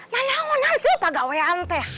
lalu lalu nanti pak gawain teh